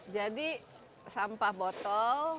jadi sampah botol